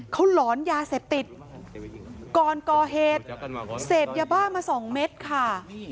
เขาหลอนยาเสพติดก่อนก่อเหตุเสพยาบ้ามาสองเม็ดค่ะ